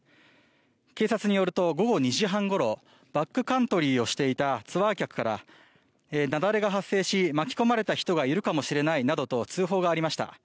警察によると午後２時半ごろバックカントリーをしていたツアー客から雪崩が発生し巻き込まれた人がいるかもしれないなどと通報がありました。